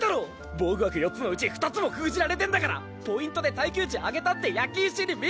防具枠４つのうち２つも封じられてんだからポイントで耐久値上げたって焼け石に水！